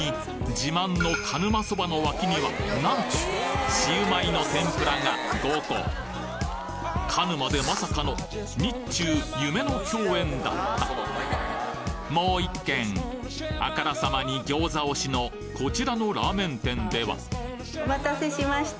自慢の鹿沼そばの脇にはなんとシウマイの天ぷらが５個鹿沼でまさかの日中夢の共演だったもう一軒あからさまに餃子推しのこちらのラーメン店ではお待たせしました